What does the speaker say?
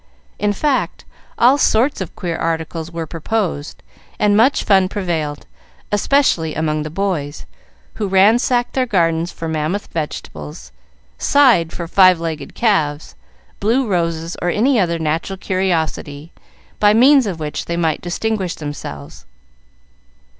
In fact, all sorts of queer articles were proposed, and much fun prevailed, especially among the boys, who ransacked their gardens for mammoth vegetables, sighed for five legged calves, blue roses, or any other natural curiosity by means of which they might distinguish themselves.